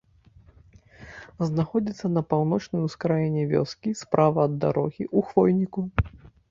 Знаходзіцца на паўночнай ускраіне вёскі, справа ад дарогі, у хвойніку.